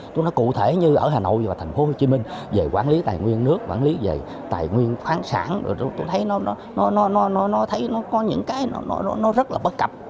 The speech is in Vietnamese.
tôi nói cụ thể như ở hà nội và thành phố hồ chí minh về quản lý tài nguyên nước quản lý về tài nguyên khoáng sản rồi tôi thấy nó thấy nó có những cái nó rất là bất cập